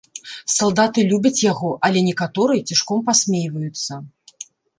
Салдаты любяць яго, але некаторыя цішком пасмейваюцца.